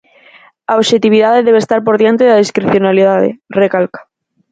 "A obxectividade debe estar por diante da discrecionalidade", recalca.